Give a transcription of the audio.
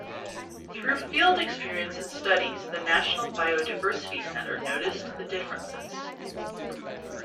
Through field experience and studies, the National Biodiversity Centre noticed the differences.